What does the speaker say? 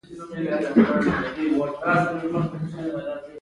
اجنډا ولې مهمه ده؟